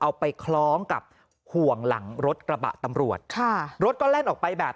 ไปคล้องกับห่วงหลังรถกระบะตำรวจค่ะรถก็แล่นออกไปแบบ